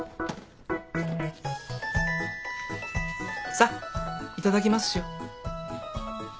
さあいただきますしよう。